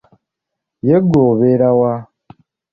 Ye ggwe obeera wa?